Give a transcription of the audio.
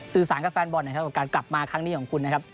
สารกับแฟนบอลนะครับกับการกลับมาครั้งนี้ของคุณนะครับ